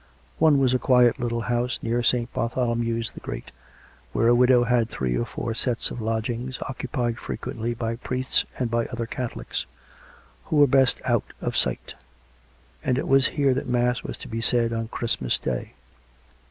One was a quiet little house near St. Bartholomew's the Great, where a widow had three or four sets of lodgings^ occupied frequently by priests and by other Catholics, who were best out of sight; and it was here that mass was to be said on Christmas Day.